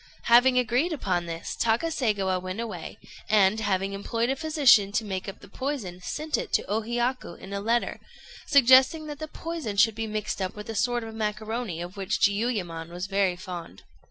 Having agreed upon this, Takaségawa went away, and, having employed a physician to make up the poison, sent it to O Hiyaku in a letter, suggesting that the poison should be mixed up with a sort of macaroni, of which Jiuyémon was very fond.